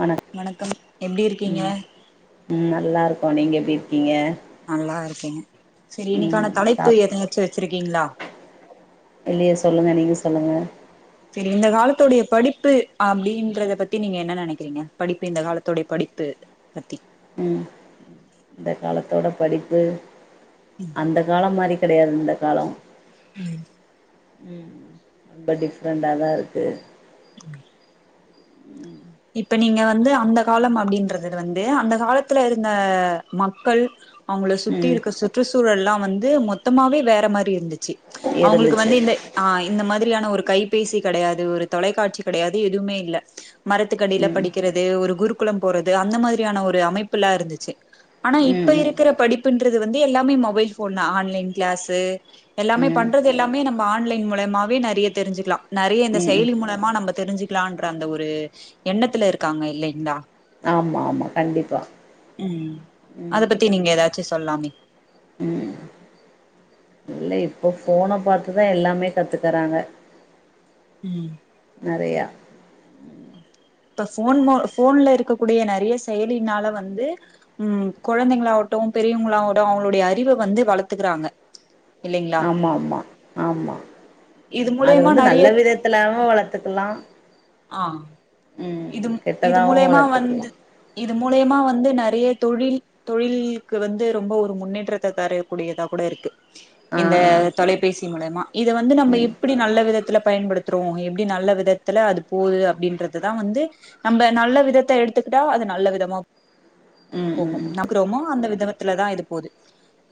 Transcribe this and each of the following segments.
வணக் வணக்கம் எப்படி இருக்கீங்க உம் நல்லா இருக்கோம் நீங்க எப்படி இருக் நல்லா இருக்கேங்க சரி ம் இன்னைக்கான தலைப்பு சாப் எதங்காச்சும் வெச்சிருக்கீங்களா ல்லா இல்லையே சொல்லுங்க நீங்க சொல்லுங்க சரி இந்த காலத்துடைய படிப்பு அப்படின்றத பத்தி நீங்க என்ன நினைக்கிறீங்க படிப்பு இந்த காலத்துடைய படிப்பு பத்தி உம் இந்த காலத்தோட படிப்பு அந்த காலம் மாரி கிடையாது இந்த காலம் உம் [inaudible] ரொம்ப டிஃப்ரெண்டாதான் இருக்கு [inaudible] உம் இப்ப நீங்க வந்து அந்த காலம் அப்படின்றது வந்து அந்த காலத்துல இருந்த மக்கள் அவங்கள சுத்தி ம் இருக்க சுற்றுச்சூழலெல்லாம் வந்து மொத்தமாவே வேற மாதிரி இருந்துச்சு அவங்களுக்கு இருந்துச்சு வந்து இந்த இந்த மாதிரியான ஒரு கைபேசி கிடையாது ஒரு தொலைக்காட்சி கிடையாது எதுவுமே இல்ல மரத்துக்கடியில ம் படிக்கிறது ஒரு குரூப் குளம் போறது அந்த மாதிரியான ஒரு அமைப்பெல்லாம் இருந்துச்சு ஆனா ம் இப்ப ம் இருக்குற படிப்புன்ற இது வந்து எல்லாமே மொபைல் ஃபோன் தா ஆன்லைன் கிளாஸ்ஸு எல்லாமே ம் பண்றது எல்லாமே நம் இப்ப ஆன்லைன் மூலயமாவே நறைய தெரிஞ்சுக்குலா நறைய இந்த ம் ம் செயலி மூலயமா நம்ப தெரிஞ்சுக் க்லான்ற அந்த ஒரு எண்ணத்துல இருக்காங்க இல்லைங்களா ஆமா ஆமா கண்டிப்பா ம் அத ம் பத்தி நீங்க ஏதாச்சு சொல்லாமே ம் இல்ல இப்போ ஃபோன பாத்துதா எல்லாமே கத்து தராங்க ம் நறையா இப்ப ஃபோன் மோ ஃபோன்ல இருக்கக்கூடிய நெறைய செயலின்னால வந்து ம் குழந்தைங்களாவட்டும் பெரியவங்களாவடோ அவங்களுடைய அறிவ வந்து வளத்துக்குறாங்க இல்லைங்களா ஆமா ஆமா ஆமா இது அது மூலியமா வந்து நெறைய நல்ல விதத்துலாவு வளத்துக்கலா லா ஆஹ் இது இது கெட்டதாவு மூலயமா வளத்துக்கலா வந்து இது மூலியமா வந்து நெறய தொழில் தொழில்லுக் வந்து ரொம்ப ஒரு முன்னேற்றத்த தரக்கூடியதா கூட இருக்கு. ஆ இந்த ஆ தொலைபேசி சி மூலயமா இத வந்து நம்ம ம் எப்பிடி நல்ல விதத்துல பயன்படுத்துறோ எப்டி நல்ல விதத்துல அது போது அப்படின்றது தா வந்து நம்ப நல்ல விதத்த எடுத்துக்கிட்டா அது நல்ல விதமா ம் ம் போகு ம் நாக்ரோமோ அந்த வித த்துலதா இது போது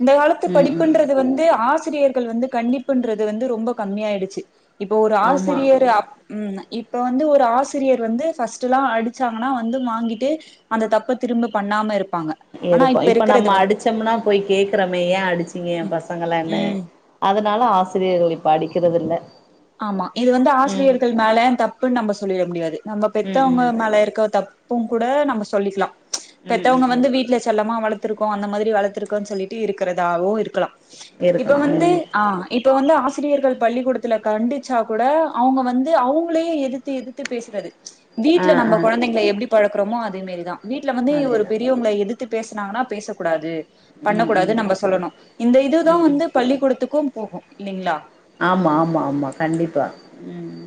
இந்த காலத்து ம் ம் படிப்புன்றது வந்து ஆசிரியர் ள் வந்து கண்டிப்புன்றது வந்து ரொம்ப கம்மியாயிடுச்சு இப்போ ஒரு ஆமா ஆசிரியர் அ உம் இப்ப வந்து ஒரு ஆச் சிரியர் வந்து ஃபஸ்ட்லா அடிச்சாங்கன்னா வந்து வாங்கிட்டு அந்த தப்ப திரும்ப பண்ணாம இருப் இருக்கு இப்ப நம்ம அடிச்சம்னா போய் கேக்குறோமய் ஏ அடிச்சீங்க எம் ம் பசங்களன்னு ம் அதனால ஆசிரியர்கள் இப்ப அடிக் க்குறதில்ல ஆமா இது வந்து ஆசிரியர்கள் மேல தப்புன் நம்ப சொல்லிட முடியாது நம்ப ம் பெத்தவங்க ம் மேல இருக்க தப் பும் கூட நம்ம சொல்லிக்கலா ச் ம் பெத்தவங்க ம் ம் வந்து வீட்டுல செல்லமா வளத் த்துருக்கோ அந்த மாதிரி வளர்த்திருக்கோன் சொல்லிட்டு இருக்கறதாவு இருக்கலா இப்ப இருக்கலா வந்து ம் ஆஹ் இப்ப வந்து ஆச சிரியர்கள் பள்ளிக்கூடத்துல கண்டிச்சா கூட அவங்க வந்து அவங்களையு எதிர்த்து எதிர்த்து பேசுறது ஆ வீட்டுல ஆ நம்ம கொழந்தைங்கள எப்டி பழக் க்கறமோ அதே மேரிதா வீட்ல வந்து ஒரு அதேதா பெரியவங்கள எது த்து பேசுனாங்கனா பேசக்கூடாது ம் பண்ணக்கூடாது ம் நம்ப சொல்லணு இந்த இதுதா ம் ம் வந்து பள்ளிக்கூடத்துக்கும் போகு இல்லைங்ளா ஆமா ஆமா ஆமா கண்டிப்பா உம்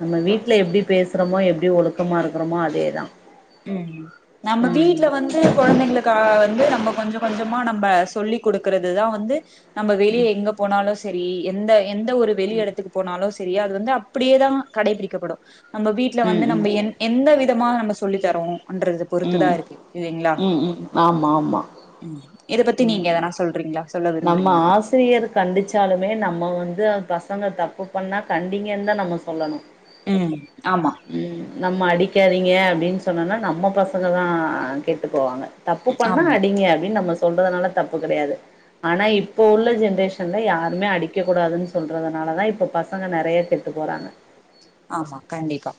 நம்ம வீட்டுல எப்டி பேசுறோமோ எப்டி ஒழுக்கமா இருக்குறோமோ அதேதா உம் நம்ம ம் வீட்டுல வந்து கொழந்தைங்களுக்காக வந்து நம்ம கொஞ்சம் கொஞ்சமா நம்ம சொல்லி குடுக்கறதுதா வந்து நம்ப வெளிய எங்க போனாலு சரி எந்த எந்த ஒரு வெளி எடத்துக்கு போனாலு சரி அது வந்து அப்படியேதா கடைபிடிக்கப்படு நம்ம வீட்ல ம் வந்து ம் நம்ம எந் எந்த வி விட்டமா நம்ம சு சொல்லித் தரோம் ன்றது பொறுத்துதான் ம் இருக்கு இல்லைங்களா ம் ம் ஆமா ஆமா இத பத்தி ம் நீங்க எதனா சொல்றீங்களா சொல்ல நம்ம விரும்புறீங்களா ஆசிரியர் கண்டுச்சாலுமே நம்ம வந்து பசங்க தப்பு பண்ணா கண்டிங்கன் தா நம்ம சொல்லணு ம் ஆமா உம் நம்ம அடிக்காதீங்க அப்டின் சொன்னன்னா நம்ம பசங்க தா கெட்டு போவாங்க தப்பு பண்ணா ஆமா அடிங்க அப்டின்னு நம்ம சொல்றனால தப்பு கெடையாது ஆனா இப்போ உள்ள ஜென்ரேஷன்ல யாருமே அடிக்க கூடாதுன்னு சொல்றதுனாலதா இப்ப பசங்க நெறைய கெட்டு போறாங்க ஆமா கண்டிப்பா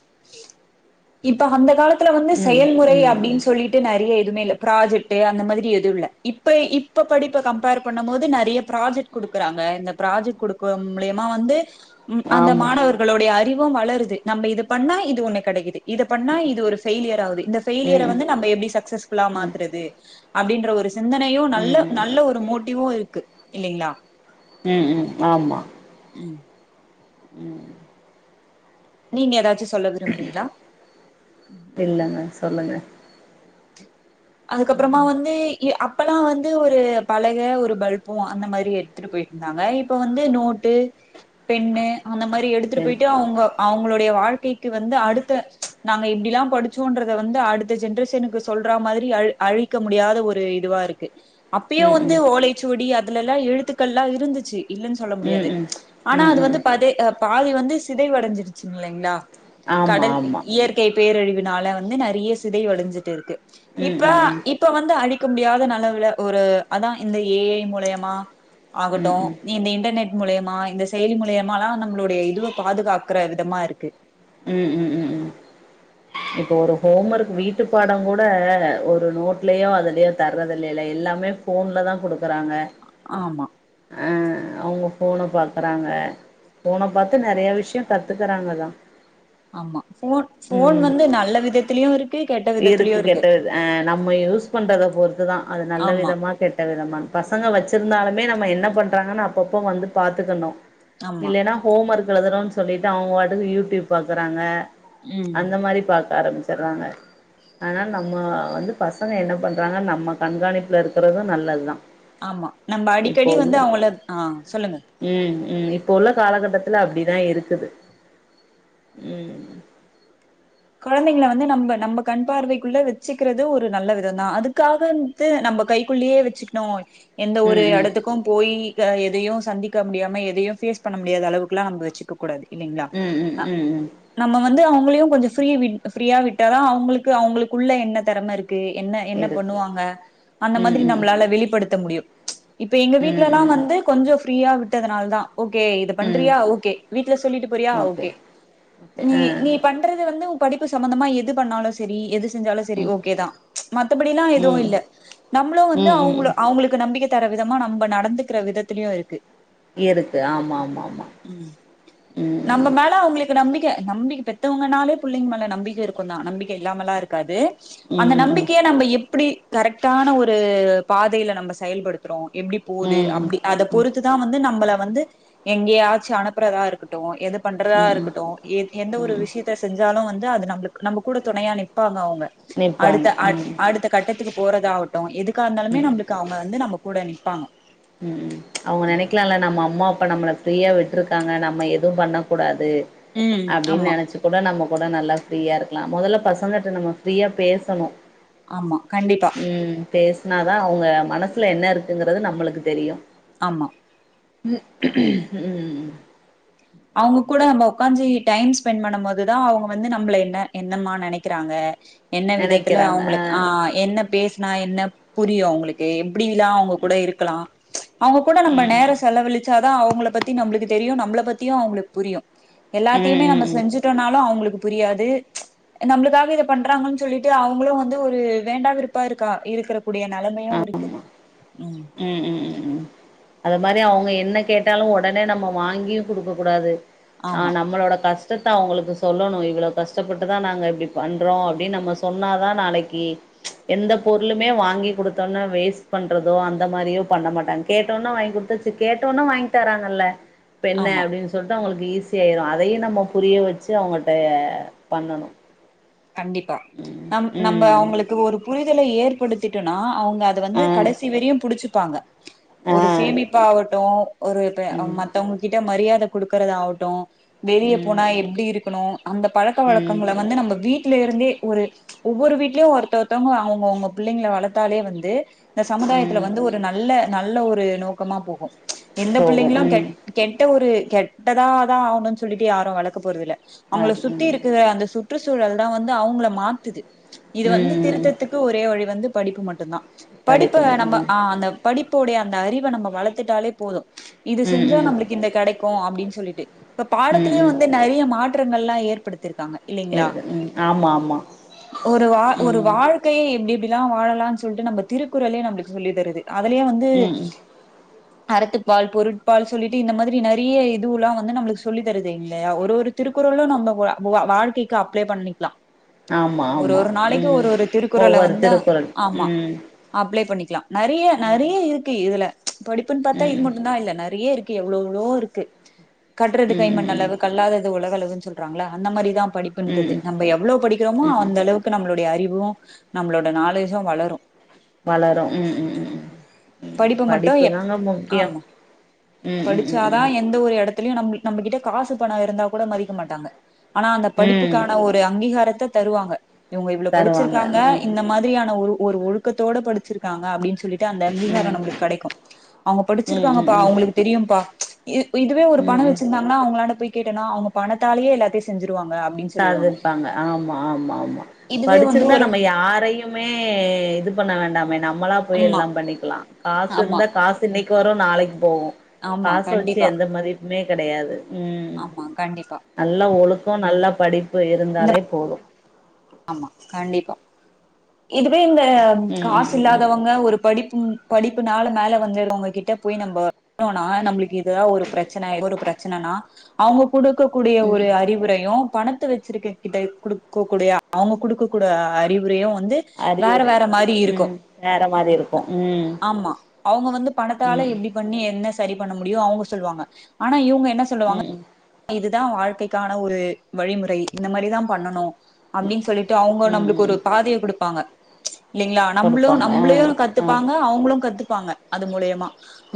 இப்ப அந்த காலத் துல வந்து ம் செயல்முறை ம் அப்டின்னு சொல்லிட்டு நெறைய எதுமே இல்ல ப்ராஜெக்ட் டு அந்த மாதிரி எது இல்ல இப்ப இப்ப படிப்ப கம்பேர் பண்ணும் போது நெறைய ப்ராஜெக்ட் குடுக்குறாங்க இந்த ப்ராஜெக்ட் குடுக்கவ் மூலியமா வந்து உம் அந்த ஆமா மாணவர்களோடைய அறி வும் வளருது நம்ம இது பண்ணா இது ஒன்னு கெடைக்குது இத பண்ணா இது ஒரு ஃபெய்லியர் ஆவுது இந்த ம் ஃபெய்லியற வந்து நம்ம எப்டி சக்சஸ்ஃபுல்லா ம் மாத்துறது அப்டின்ற ஒரு சிந்தனையு ம் நல்ல ம் நல்ல ஒரு மோட்டிவு இருக் க்கு இல்லிங்ளா உம் உம் ஆமா உம் உம் நீங்க ஏதாச்சு சொ இல்லங்க சொல்லுங்க அதுக்கப்புறமா வந்து இ அப் அப்பல்லா வந்து ஒரு பலக ஒரு பல்பு அந்த மாரி எடுத்துட்டு போய்ட்டிருந்தாங்க இப்போ வந்து நோட்டு பெண்ணு அந்த மாரி எடுத்துட்டு தென் போய்ட்டு அவுங்க அவுங் அவுங்களுடைய வாழ்க்கைக்கு வந்து அடுத்த ச் நாங்க இப்டில்லா படிச்சோன்றத வந்து அடுத்த ஜென்ரேஷனுக்கு சொல்றா மாதிரி ரி அழ் அழிக்க முடியாத ஒரு இதுவா இருக்கு அப்பயே ம் ஒந்து ம் ஓலைச்சுவடி அத் துலெல்லா எழுத்துக்கள்லா இருந்துச்சு இல்லன்னு சொல்ல ம் முடியாது ம் ச் ஆனா ம் அது ம் வந்து பதே அ ப பாதி வந்து சிதைவடஞ்சிருச்சிங் கில்லேங்ளா ஆமா கடல் ஆமா இயற்கை பேரழிவு னால வந்து நெறைய சிதை வடஞ்சிட்டே இருக்கு ம் இப்ப ம் ம் இப்ப வந்து அடி க்க முடியாத நலவுல ஒரு அதா இந்த ஏ ஐ மூலயமா ம் ஆகட்டு ம் நீ இந்த இன்டர்நெட் மூலயமா இந்த செயலி மூலயமாலா நம்மளுடைய இதுவ பாதுகாக்கற விதமா இருக்கு உம் உம் உம் உம் இப்போ ஒரு ஹோம் ஒர்க் வீட்டு பாடம் கூட ஒரு நோட்லயோ அதுலயோ தர்து இல்லையே எல்லாமே ஃபோன்ல தா கொடுக்குறாங்க ஆமா அவங்க ஃபோன பாக்குறாங்க ஃபோன பாத்து நறைய விஷயோ கத்துக்குறாங்கதா ஆமா ஃபோன் ஃபோன் உம் வந்து நல்ல விதத்திலயு இருக்கு கெட்ட விதத்திலயு இருக்கு கெட்ட வித ஆஹ் நம்ம யூஸ் பண்றத பொறுத்துதான் அது நல்ல ஆமா விதமா கெட்ட விதமா பசங்க வச்சிருந்தாலுமே நம்ம என்ன பண்றாங்கன்னு அப்பப்ப வந்து பாத்துக்கணு ஆமா இல்லன்னா ஹோம் ஒர்க் எழுதுறோ சொல்லிட்டு அவங்க பாட்டுக்கு யூடியூப் பாக்குறாங்க ம் அந்த மாரி பாக் ஆரம்பிச்சிடுறாங்க அதனால நம்ம வந்து பசங்க என்ன பண்ணுறாங்க நம்ம கண்காணிப்பில இருக்கிறது நல்லது தா ஆமா நம்ம அடிக்கடி வந்து அவங்கள ஆஹ் சொல்லுங்க உம் இப்ப உள்ள காலகட்டத்துல அப்பிடிதா இருக்குது உம் கொழந்தைங்க வந்து நம்ம நம்ம கண் பார்வைக்குள்ள வச்சுக்கிறது ஒரு நல்ல விதோ தா அதுக்காக வந்து நம்ம கைக்குள்ளயே வச்சுக்கணு எந்த ஒரு ம் ம் இடத்துக்கு போய் எதையும் சந்திக்க முடியாம எதையு ஃபேஸ் பண்ண முடியாத அளவுக்கு எல்லா நம்ம வச்சிக்க கூடாது இல்லைங்களா ம் ம் ஆ ம் ம் நம்ம வந் வந்து அவங்களையு கொஞ்சே ஃப்ரீ ஃப்ரீயா விட்டாதான் அவங்களுக்கு அவங்களுக்குள்ள என்ன திறமை இருக் என்ன என்ன இருக்கு பண்ணுவாங்க அந்த ம் மாதிரி ம் நம்மளால வெளிப்படுத்த முடியு இப்ப எங்க வீட்ல ம் எல்லா ம் ம் வந்து கொஞ்சோ ஃப்ரீயா விட்டதுனால தா ஓகே இத ம் பண்றியா ஓகே வீட்ல சொல்லிட்டு போறியா ஓகே ஓகே நீ ஆ நீ பண்றது வந்து உன் படிப்பு சம்பந்தமா எது பண்ணாலு சரி எது செஞ்சாலு சரி ம் ஓகேதா மத்தபடி எல்லா எதுவு ம் ம் இல் நம்மளு வந்து ம் அவங் ம் அவங்களுக்கு நம்பிக்க தர விதமா நம்ம நடந்துக்கிற விதத்திலயு இருக்கு இருக்கு ஆமா ஆமா ஆமா ம் நம்ம உம் மேல அவங்களுக்கு நம்பிக்க நம்பிக் பெத்தவங்கனாலு புள்ளைங்க மேல நம்பிக்க இருக்கு தா நம்பிக்க இல்லாமலா இருக்காது ம் அந்த ம் ம் நம்பிக்கைய நம்ம எப்பிடி கரெக்டான ஒரு பாதையில நம்ம செயல்படுத்துறோ எப்டி போகுது ம் ம் அப்டி அத பொறுத்துதா வந்து நம்மள வந்து எங்கேயாச்சு அனுப்புறதா இருக்கட்டு எத பண்றதா ம் இருக்கட்டு எ எந்த ஒரு ம் விஷயத்த ந்தாலு வந்து அது நம்மளுக்கு நம்ம கூட துணையா நிப்பாங்க அவங் க அடுத்த நிப்பாங்க ம் அடுத் அடுத்த கட்டத் துக்கு போறதாகட்டு எதுக் க இருந்தாலுமே நம்மளுக்கு அவங்க வந்து நம கூட நிப்பாங்க உம் அவங்க நெனைக்கலால நம்ம அம்மா இப்ப நம்மள ஃப்ரீயா விட்டுருக்காங்க நம்ம எதுவு பண்ணக்கூடாது ம் அப்படின்னு ஆமா நெனச்சு கூட நம்ம கூட நல்லா ஃப்ரீயா இருக்கலா முதல்ல பசங்ககிட்ட நம்ம ஃப்ரீயா பேசணும் ஆமா கண்டிப்பா உம் பேசுனா தா அவங்க மனசுல என்ன இருக்குங்கறது நம்மளுக்கு தெரியும் ஆமா உம் உம் அவங்க கூட நம்ம உக்காஞ்சி டைம் ஸ்பெண்ட் பண்ணும் போதுதா அவங்க வந்து நம்மள என்ன என்னம்மா நெனக்கிறாங்க என்ன விதத்தல நெனைக்கிறாங்க ஆ அவங்களுக்கு ஆஹ் என்ன பேச ந என்ன புரியு அவங்களுக்கு எப்படில்லா அவங்க கூட இருக்கலா அவங்க கூட நம்ம ம் நேரோ செலவழிச்சாதா அவங்கள பத்தி நம்மளுக்கு தெரியு நம்மள ப த்தியு அவங்களுக்கு புரியும் ம் எல்லாத்தயுமே நம்ம ம் செஞ்சுட்டோனாலு அவங்களுக்கு புரியாது நம்மளுக்காக இத பண்றாங்கன் சொல்லிட்டு அவங்களு வந்து ஒரு வேண்டா வெருப்பா இருக்கா இருக்கற கூடிய நெலமையு இருக்கு ம் உம் உம் உம் உம் அத மாரி அவங்க எ ன்ன கேட்டாலு ஒடனே நம்ம வாங்கியு குடுக்க கூடாது ஆஹ் ஆமா நம்மளோட கஷ் டத்த அவங்களுக்கு சொல்லணு இவ்வளவு கஷ்டப்பட்டுதா நாங்க இப்படி பண்றோ அப்டின்னு நம்ம சொன்னாதா நாளைக்கு எந்த பொருளுமே வாங்கி கொடுத்தோனா வேஸ்ட் பண்ற தோ அந்த மாரியோ பண்ண மாட்டாங்க கேட்டோன்னே வாங்கி குடுத்துச்சு கேட்டோன்னே வாங்கி தராங்கல்ல இப்ப என்ன ஆமா அப்டின்னு சொல்டு அவுங்களுக் ஈசி ஆயிரோ அதயு நம்ம புரிய வெச்சு அவுங்கட்ட பண்ணணும் கண்டிப்பா நம் நம்ப அவுங்களுக்கு ஒரு புரி ரிதல ஏற்படுத்திட்டோனா அவுங்க அத வந்து ஆ கடைசி வரியும் புடிச்சு ருப்பாங்க ஆ ஒரு சேமிப்பா அவ டோ ஒரு இப்ப ம் மத்தவங்ககிட்ட ம மரியாத குடுக்குறதாவட்டு வெளிய ம் போனா எப்டி இருக்கனு அந்த பழக்க ம் வழக்கங்கள வந்து நம்ம வீட் ல இருந்தே ஒரு ஒவ்வொரு வீட்லயு ஒருத்த ஒருத்தவங்க அவுங்கவுங்க பிள்ளைங்கள வளத்தாலே வந்து இந்த சமுதாயத்துல ம் வந்து ஒரு நல்ல நல்ல ஒரு நோக்கமா போகு எந்த போகும் பிள்ளைங்களு ம் கெட் கெட்ட ஒரு கெட்டதா தா ஆவுனுன் சொல்லிட்டு யாரு வளக்க போறதுல்ல ஆ அவுங்கள சுத்தி ம் இருக்குக அந்த சுத் சுற்றுச்சூழல் தா வந்து அவுங்கள மாத்துது இது வந்து ம் ம் திருத்தத்துக்கு ஒரே வழி வந்து படிப்பு மட்டுந்தா படிப்ப படிப்பும் நம்ம ம் ஆ அந்த படிப் தோடய அந்த அறிவ நம்ம வளத்துட்டாலே போது இது ம் செஞ்சா ம் நம்ளுக்கு இந்த கடை கு அப்டின் சொல்லிட்டு இப்ப ம் பாடத்துலயு ம் வந்து நறைய மாற் றங்கள்லா ஏற்படுத் திருக்காங்க இல்லைங்களா இருக்கு ம் ஆமா ஆமா ஒரு வா ஒரு ம் வாழ்க்கையை எப்டி எப்டிலா வாழலான் சொல்ட்டு நம்ம திருக்குறளே நம்ளுக்கு சொல்லி தருது அதுலயே வந்து ம் ம் அறத்துப்பால் பொருட்பால் சொல்லிட்டு இந்த மாதிரி நறைய இதுவுலா வந்து நம்ளுக்கு சொல்லி தருது இல்லையா ஒரு ஒரு திருக்குறளு நம்ம வா வாழ்க்கைக்கு அப்ளை பண்ணிக் கிலா ஆமா ஆமா ம் திருக்குறள ஒவ்வொரு வந்து திருக்குறள் ம் நறைய ம் நறைய இருக்கு இதுல படிப்புன் பாத்தா இது ம் ம் மட்டுந்தா இல்ல நறைய இருக் கு எவ்ளவோ இருக்கு கற்றது கை மண் ம் ம் அளவு கல்லாதது உலகள வுன் சொல்றாங்ளா அந்த மாரிதா படிபன்றது ம் நம்ப எவ்ளோ படிக்கிறோமோ ம் அந்தளவுக்கு நம்ம ளோடய அறிவு நம்மளோட நாலேஜூ வளரு வளரு உம் உம் உம் உம் உம் படிப்பு மட்டு எப் படிப்புதாங்க முக்கியோ ஆமா உம் உம் உம் உம் துலயு நம் நம்மகிட்ட காசு பணோ இருந்தா கூட மதிக்க மாட்டாங்க ஆனா அந்த ம் படிப்புக்கான அங்கீகாரத்த தருவாங்க இவங்க இவ்ளோ தருவாங்க படிச்சிருக்காங்க ம் இந்த மாதிரியான ஒரு ஒரு ஒழுக்கத்தோட படிச்சிருக்காங்க அப்படின்னு சொ ல்லிட்டு அந்த அங்கீகாரோ ம் நம்புளுக்கு கிடைக்கு அவங்க ம் ம் படிச்சிருக்காங்கப்பா ம் அவங்களுக்கு தெரியும்பா இ இதுவே ஒரு ம் பணோ ம் வச்சிருந்தாங்கன்னா அவங்களான்ட போய் கேட்டனா அவங்க பணத்தாலயே எல்லாத்தையு செஞ்சிருவாங்க அப்டின்னு சொல்லிருவாங்க சாதிர்பாங்க ஆமா ஆமா ஆமா இதுவே வந்து படிச்சிருந்தா ஒரு நம்ம யாரையுமே இது பண்ண வேண்டாம் வேணாம் நம்மளா போய் ஆமா எல்லா பண்ணிக்கலா காசு ஆமா இருந்தா காசு இன்னிக்கி வரு நாளைக்கு போகு ஆமா காச வெச்சு கண்டிப்பா எந்த மதிப்புமே கெடையாது ஆமா கண்டிப்பா க்கோ நல்லா படிப் பு இந்த இருந்தாலே போது ஆமா கண்டிப்பா இதுவே இந்த ம் ம் காசு ம் ம் இல்லாதவங்க ஒரு படிப் ம் படிப்புனால மேல வந்துருகவங்க கிட்ட போய் நம்ப [unintelligible] நம்புளுக்கு இதுதா ஒரு பிரச்சன ஏதோ ஒரு பிரச்சனன்னா அவங்கோ குடுக்க கூடிய ஒரு ம் அறிவுரையு பணத்த வெச் ச்சிருக்க கிட்ட குடுக்கக்கூடிய அவங்க குடுக்க கூட அறிவுரையு வ வந்து வேற அறிவுரை வேற மாரி இருக்கு ம் வேற மாரி இருக்கு ம் ஆமா அவங்க வந்து ம் பணத்தால எப்டி பண்ணி என்ன ஸ் செரி பண்ண முடியு அவங்க சொல்வாங்க ஆனா இவங்க என் என்ன சொல்லுவாங்க ம் ம் இது இதா வாழ்க்கைக்கான ஒரு வழிமுறை இந்த மாரிதா பண்ணனு அப்டின் சொல்லிட்டு அவுங்க ம் ம் நம்ளுக்கு ஒரு ம் பாதைய குடுப்பாங்க இல்லைங்களா நம்புளு குடுப்பாங்க ஆ நம்புளையு ஆமா கத்துப்பாங்க அவுங்குளு கத்துக் ப்பாங்க அது மூலியமா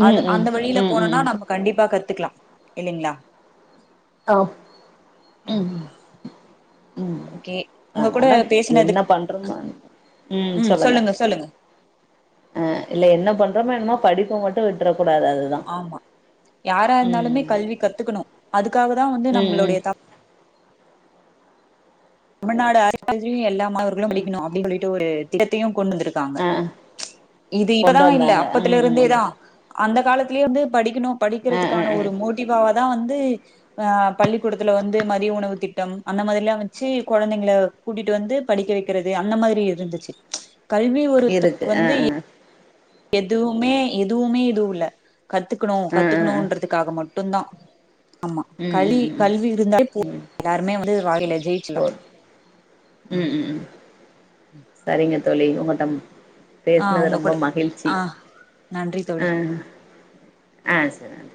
ம் அது ம் அந்த வழியில ம் ம் போனோன்னா ம் நம்ப கண்டிப்பா கர் த்துக்லா இல்லீங்ளா ஆ ம் ம் ஓகே உங்க ஆன் கூட ஆனாப் பேசினது என்ன பண்றோமா [inaudible] ம் சொல்லுங்க ஆ இல்ல என்ன பண்றோமா என்மோ படிப்ப மட்டு விட்றக் கூடாது அதுதா ஆமா யாரா ம் இருந்தாலுமே கல்வி கத்துக்குணு அதுக்காக தா வந்து ம் ம் நம்புளுடைய தப் தமிழ் நாடு [unintelligible] எல்லா மாணவர்களு ம் படிக்கிணு [unintelligible] சொல்லிட்டு ஒரு திடத்தியும் கொண்டுந்துருக்காங்க ஆ ஆ இது இப்பதா கொண்டு இல்ல வந்தாங்க ம் ம் அப்பத்துலருந்தே ம் தா அந்த காலத்துலேயே இருந்து படி க்கினு ஆ ஆ படிக்கிறதுக்கான ஆ ஒரு மோட்டிவா வத் தா வந்து ஆ பள்ளிக்கூடத்துல வந்து மதிய உணவு திட்டம் அந்த மாதிர்ல்லா வெச்சி கொழந்தைங்கள கூட்டிட்டு வந்து படிக்க வெக்கிறது அந்த மாதிரி இருந்துச்சு கல்வி இருக்கு [unintelligible] ஆ வந்து ஆ ஏ எதுவுமே எதுவுமே இது உள்ள கத்துக்குணோ ஆ ஆ ஆ கத்துக்குணோன்றதுக்காக மட் ட்டுந்தா ஆமா ம் கலி ம் ம் ம் கல்வி ம் [unintelligible] வந்து வாழ்கையில ஜெயிச்சுல்லா போது ம் ம் ம் சரிங் தோழி உங்கட்டம் ஆ பேசினது உங்க ரொம்ப கூட மகிழ்ச்சி ஆ நன்றி தோழி ஆஹ் ஆஹ் செரி